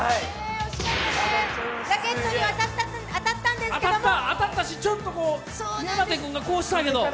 ラケットに当たったんですけれども当たったし、宮舘君がこうしたけど。